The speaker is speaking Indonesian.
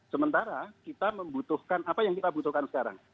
sementara kita membutuhkan apa yang kita butuhkan sekarang